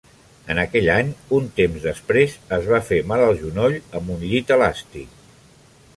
En aquell any, un temps després, es va fer mal al genoll amb un llit elàstic.